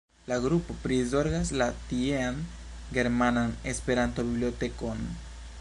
La grupo prizorgas la tiean Germanan Esperanto-Bibliotekon.